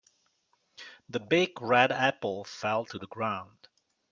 The big red apple fell to the ground.